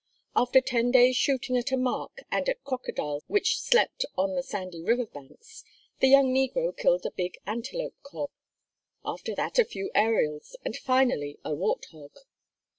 After ten days' shooting at a mark and at crocodiles which slept on the sandy river banks, the young negro killed a big antelope cob; after that a few ariels and finally a wart hog.